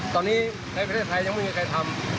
ตอนนี้ในประเทศไทยยังไม่มีใครทำ